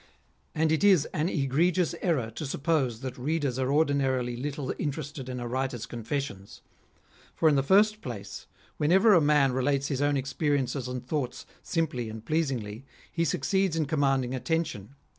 And it is an egregious error to suppose that readers are ordinarily little interested in a writer's confessions. For in the first place, whenever a man relates his own experiences and thoughts simply and pleasingly, he succeeds in commanding attention.